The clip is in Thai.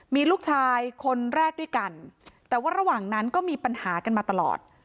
มีลูกชายคนแรกด้วยกันแต่ว่าระหว่างนั้นก็มีปัญหากันมาตลอด